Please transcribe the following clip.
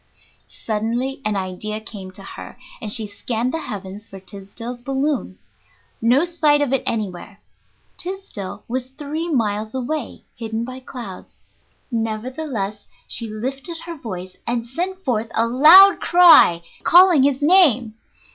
Suddenly an idea came to her, and she scanned the heavens for Tysdell's balloon. No sight of it anywhere. Tysdell was three miles away, hidden by clouds. Nevertheless she lifted her voice and sent forth a loud cry, calling his name.